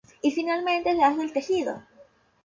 Y finalmente, se hace el tejido.